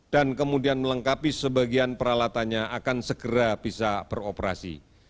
dan kemudian melengkapi sebagian peralatannya akan segera bisa beroperasi